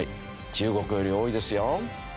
中国より多いですよ。